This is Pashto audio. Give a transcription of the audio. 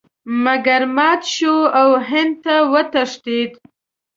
مګر مات شو او هند ته وتښتېد.